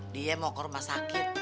dia mau ke rumah sakit